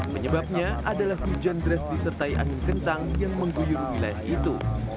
penyebabnya adalah hujan deras disertai angin kencang yang mengguyur wilayah itu